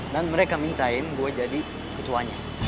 dan mereka minta gue jadi ketuanya